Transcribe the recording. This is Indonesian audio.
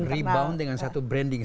rebound dengan satu branding